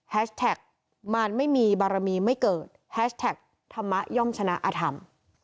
แท็กมันไม่มีบารมีไม่เกิดแฮชแท็กธรรมะย่อมชนะอธรรม